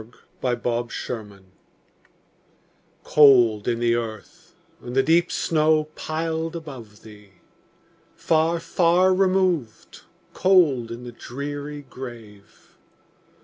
Emily Brontë Remembrance COLD in the earth, and the deep snow piled above thee! Far, far removed, cold in the dreary grave!